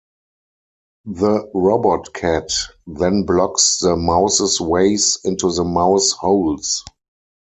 The robot cat then blocks the mouse's ways into the mouse holes.